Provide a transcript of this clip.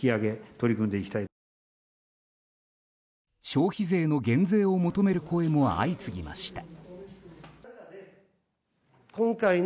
消費税の減税を求める声も相次ぎました。